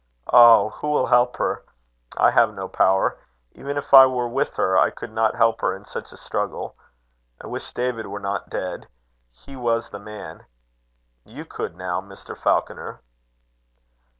"Oh! who will help her? I have no power. Even if I were with her, I could not help her in such a struggle. I wish David were not dead. He was the man. You could now, Mr. Falconer."